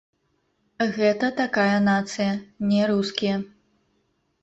Гэта такая нацыя, не рускія.